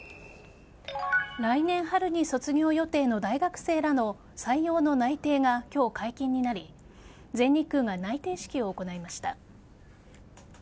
来年春に卒業予定の大学生らの採用の内定が今日、解禁になり全日空が内定式を行いました。